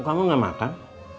buka kamu gak makan